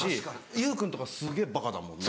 勇君とかすげぇバカだもんね。